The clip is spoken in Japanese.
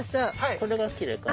これがきれいかな。